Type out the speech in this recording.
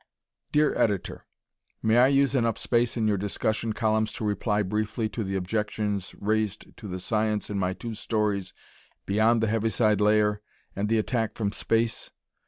Dear Editor: May I use enough space in your discussion columns to reply briefly to the objections raised to the science in my two stories, "Beyond the Heaviside Layer" and "The Attack from Space"?